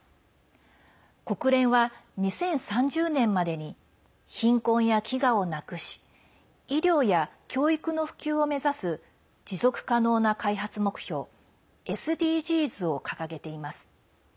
国連は２０３０年までに貧困や飢餓をなくし医療や教育の普及を目指す持続可能な開発目標＝ＳＤＧｓを掲げています。